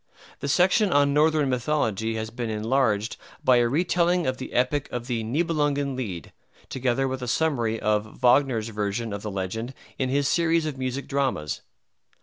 The section on Northern Mythology has been enlarged by a retelling of the epic of the "Nibelungen Lied," together with a summary of Wagner's version of the legend in his series of music dramas.